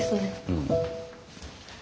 うん。